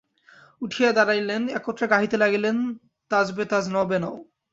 উঠিয়া দাঁড়াইলেন, একত্রে গাহিতে লাগিলেন– তাজবে তাজ নওবে নও।